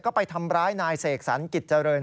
ก็ไปทำร้ายนายเสกสรรกิจเจริญ